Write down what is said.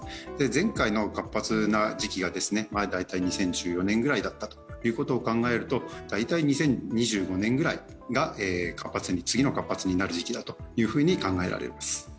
前回の活発な時期が大体２０１４年ぐらいだったということを考えると大体２０２５年ぐらいが次の活発になる時期だと考えられます。